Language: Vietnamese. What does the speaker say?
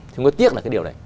thì mới tiếc là cái điều này